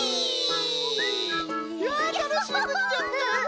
いやたのしいくじじゃった。